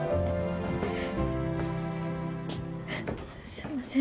すんません